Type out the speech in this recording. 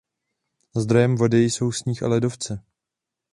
Zdrojem vody jsou sníh a ledovce.